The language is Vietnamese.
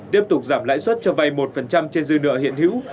tiếp tục giảm lãi suất cho vay một trên dư nợ hiện hữu